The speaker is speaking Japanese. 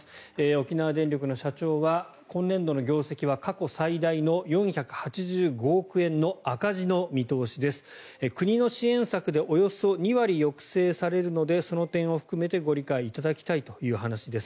沖縄電力の社長は今年度の業績は過去最大の４８５億円の赤字の見通しです国の支援策でおよそ２割抑制されるのでその点を含めてご理解いただきたいという話です。